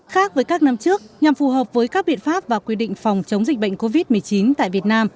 khác với các năm trước nhằm phù hợp với các biện pháp và quy định phòng chống dịch bệnh covid một mươi chín tại việt nam